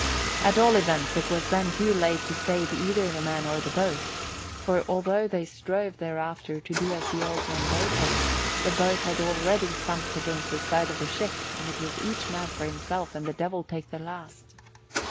At all events it was then too late to save either the man or the boat, for although they strove thereafter to do as the Old One bade them, the boat had already thumped against the side of the ship and it was each man for himself and the Devil take the last.